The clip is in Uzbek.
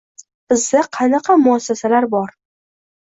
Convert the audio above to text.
Bizda qanaqa muassasalar bor?